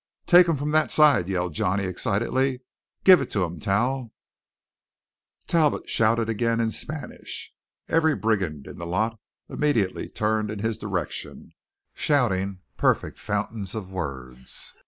"Take 'em from that side!" yelled Johnny excitedly. "Give it to 'em, Tal!" Talbot shouted again, in Spanish. Every brigand in the lot immediately turned in his direction, shouting perfect fountains of words.